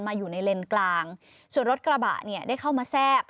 อยู่ในเลนส์กลางส่วนรถกระบะเนี่ยได้เข้ามาแทรก